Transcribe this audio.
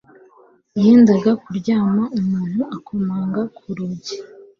Yendaga kuryama umuntu akomanga ku rugi